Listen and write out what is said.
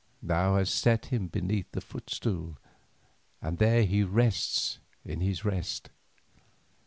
Thou hast set him beneath thy footstool and there he rests in his rest.